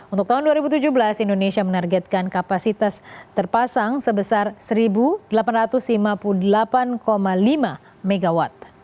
untuk tahun dua ribu tujuh belas indonesia menargetkan kapasitas terpasang sebesar satu delapan ratus lima puluh delapan lima mw